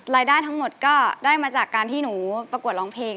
รายได้ทั้งหมดก็ได้มาจากการที่หนูประกวดร้องเพลง